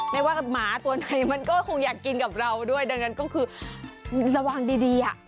ไม่ว่ากับหมาตัวไหนมันก็คงอยากกินกับเราด้วยดังนั้นก็คือมันสว่างดีอ่ะ